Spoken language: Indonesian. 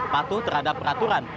patuh terhadap peraturan